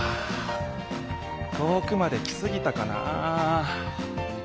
遠くまで来すぎたかなあ。